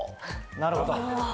なるほど。